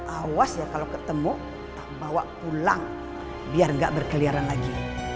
awas ya kalau ketemu bawa pulang biar nggak berkeliaran lagi